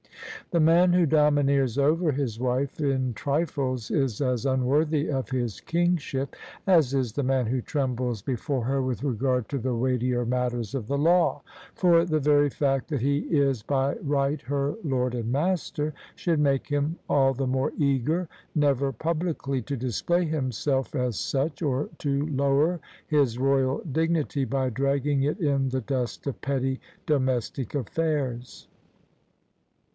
The man who domineers over his wife in trifles is as unworthy of his kingship as is the man who trembles before her with regard to the weightier matters of the law : for the very fact that he is by right her lord and master should make him all the more eager never publicly to display himself as such, or to lower his royal dignity by dragging it in the dust of petty domestic aifairs.